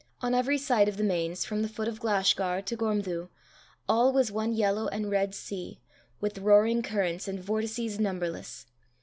On every side of the Mains, from the foot of Glashgar to Gormdhu, all was one yellow and red sea, with roaring currents and vortices numberless.